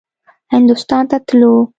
هندوستان ته تلو.